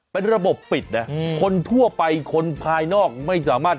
เป็นระบบปิดนะคนทั่วไปคนภายนอกไม่สามารถ